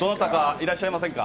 いらっしゃいませんか？